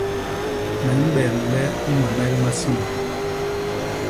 Me mbembe ñwemel masin.